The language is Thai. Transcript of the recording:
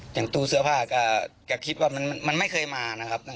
อย่างตู้เสื้อผ้าก็แกคิดว่ามันไม่เคยมานะครับ